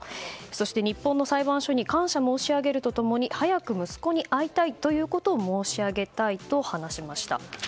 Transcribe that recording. そして、日本の裁判所に感謝申し上げると共に早く息子に会いたいということを申し上げたいと話しました。